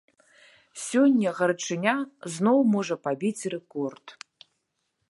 Сёння гарачыня зноў можа пабіць рэкорд.